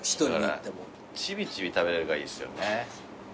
ちびちび食べるのがいいですよね。